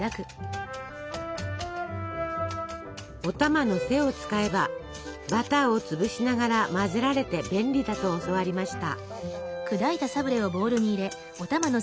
お玉の背を使えばバターを潰しながら混ぜられて便利だと教わりました。